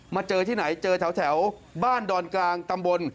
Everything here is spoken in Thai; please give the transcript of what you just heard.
เจอที่ไหนเจอแถวบ้านดอนกลางตำบล